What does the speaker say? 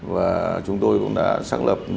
và chúng tôi cũng đã sáng lập